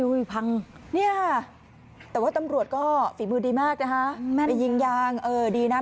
พังเนี่ยค่ะแต่ว่าตำรวจก็ฝีมือดีมากนะคะไปยิงยางเออดีนะ